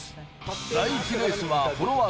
第１レースはフォロワー